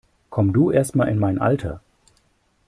Komm du erst mal in mein Alter!